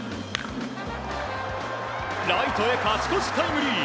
ライトへ勝ち越しタイムリー！